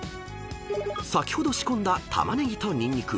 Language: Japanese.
［先ほど仕込んだ玉ねぎとニンニク］